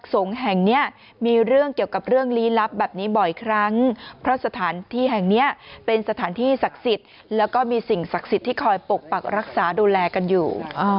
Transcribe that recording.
ที่แห่งนี้เป็นสถานที่ศักดิ์สิทธิ์แล้วก็มีสิ่งศักดิ์สิทธิ์ที่คอยปกปรักรักษาดูแลกันอยู่